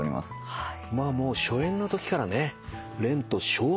はい。